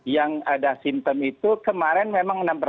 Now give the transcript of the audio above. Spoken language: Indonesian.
yang ada simptom itu kemarin memang enam ratus